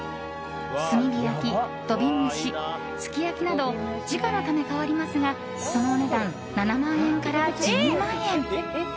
炭火焼きや土瓶蒸しすき焼きなど時価によって変わりますがそのお値段、７万円から１２万円。